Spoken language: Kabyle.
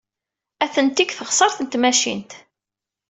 Atenti deg teɣsert n tmacint.